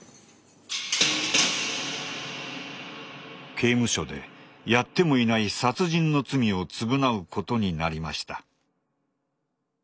刑務所でやってもいない殺人の罪を償うことになりました。